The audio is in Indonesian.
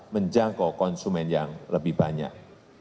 menjangkau konsumen yang lebih banyak